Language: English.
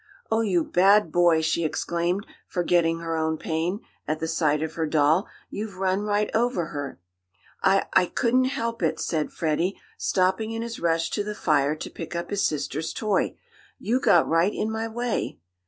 "Oh, you bad boy!" she exclaimed, forgetting her own pain, at the sight of her doll, "you've run right over her!" "I I couldn't help it!" said Freddie, stopping in his rush to the fire to pick up his sister's toy. "You got right in my way."